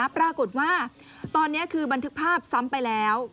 ปรากฏว่าตอนนี้คือบันทึกภาพซ้ำไปแล้ว